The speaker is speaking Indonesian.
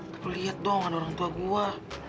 tapi liat dong ada orang tua gua